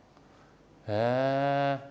へえ！